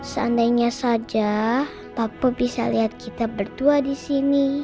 seandainya saja papa bisa lihat kita berdua di sini